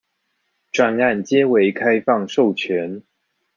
專案皆為開放授權